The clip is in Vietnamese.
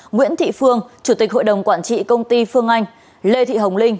nguyễn thị phương chủ tịch hội đồng quản trị công ty phương anh lê thị hồng linh